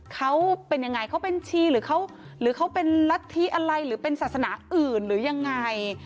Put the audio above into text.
เขาเป็นยังไงเขาเป็นชีหรือเขาเป็นลักษณ์ที่อะไรหรือเป็นศาสนาอื่นหรือยังไง